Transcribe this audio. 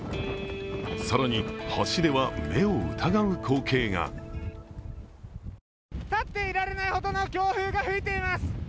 更に、橋では目を疑う光景が立っていられないほどの強風が吹いています。